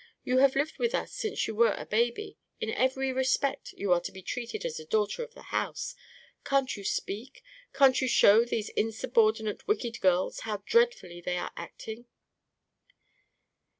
You have lived with us since you were a baby; in every respect you have been treated as a daughter of the house. Can't you speak, can't you show these insubordinate, wicked girls how dreadfully they are acting?"